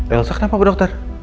elsa kenapa bu dokter